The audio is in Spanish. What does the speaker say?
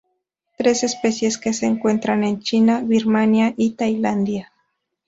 Tres especies que se encuentran en China, Birmania y Tailandia.